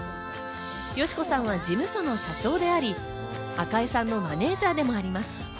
佳子さんは事務所の社長であり、赤井さんのマネージャーでもあります。